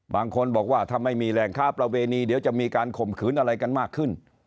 บางคนบอกว่าถ้าไม่มีแรงค้าประเวณีเดี๋ยวจะมีการข่มขืนอะไรกันมากขึ้น